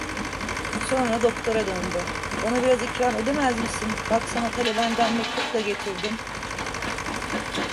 Sonra doktora döndü: "Bana biraz ikram edemez misin, bak sana talebenden mektup da getirdim."